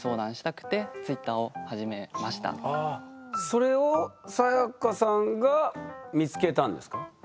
それをサヤカさんが見つけたんですか？